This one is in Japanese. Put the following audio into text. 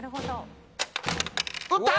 打った！